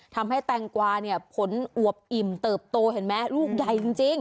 ทำให้แตงกว่าเนี้ยผลอวบอิ่มเติบโตเห็นไหมลูกใหญ่จริงจริง